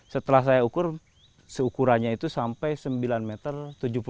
setelah saya ukur seukurannya itu sampai sembilan meter tujuh puluh